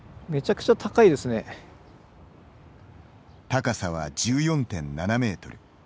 高さは１４．７メートル。